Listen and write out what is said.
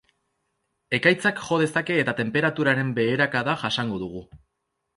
Ekaitzak jo dezake eta tenperaturaren beherakada jasango dugu.